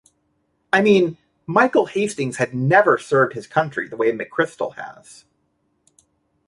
I mean, Michael Hastings has never served his country the way McChrystal has.